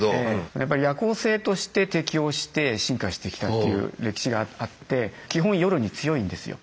やっぱり夜行性として適応して進化してきたっていう歴史があって基本夜に強いんですよ。